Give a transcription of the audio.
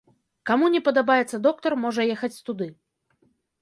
Каму не падабаецца доктар, можа ехаць туды.